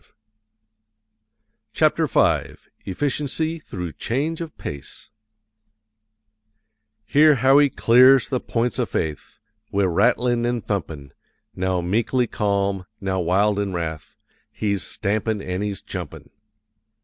470. CHAPTER V EFFICIENCY THROUGH CHANGE OF PACE Hear how he clears the points o' Faith Wi' rattlin' an' thumpin'! Now meekly calm, now wild in wrath, He's stampin' an' he's jumpin'.